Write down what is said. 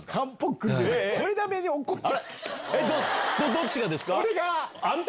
どっちがですか？